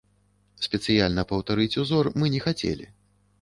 Спецыяльна паўтарыць узор мы не хацелі.